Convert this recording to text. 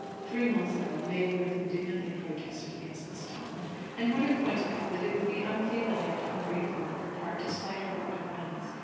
Three months ago May would have indignantly protested against this tone, and would have pointed out that it would be unfeeling and ungrateful on her part to slight her old friends.